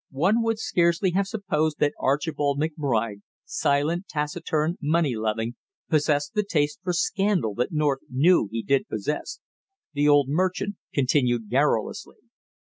One would scarcely have supposed that Archibald McBride, silent, taciturn, money loving, possessed the taste for scandal that North knew he did possess. The old merchant continued garrulously.